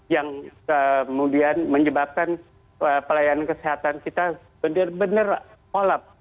yang kemudian menyebabkan pelayanan kesehatan kita benar benar kolap